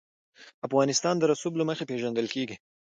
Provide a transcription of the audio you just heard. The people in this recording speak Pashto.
افغانستان د رسوب له مخې پېژندل کېږي.